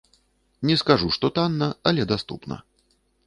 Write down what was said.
Не скажу, што танна, але даступна.